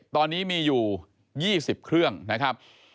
ตอนนี้มีอยู่๒๐เครื่องนะครับ